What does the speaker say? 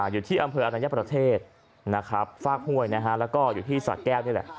อยู่ที่อำเภออัตยัยประเทศฝากห้วยและอยู่ที่สาแก้วนี่แหละ